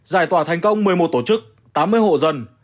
giải tỏa thành công một mươi một tổ chức tám mươi hộ dân